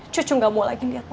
cucu gak mau lagi liat papa